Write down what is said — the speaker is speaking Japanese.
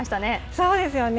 そうですよね。